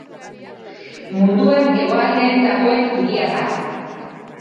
Munduan hegoaldeen dagoen hiria da.